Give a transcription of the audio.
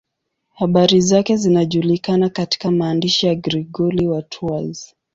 Habari zake zinajulikana katika maandishi ya Gregori wa Tours.